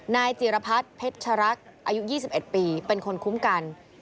นายจิรพัฒน์เพชรชรักอายุ๒๑ปีเป็นคนคุ้มกัน